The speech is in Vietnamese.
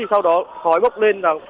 sau đó khói bốc lên